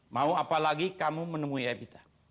mau apalagi kamu menemui epita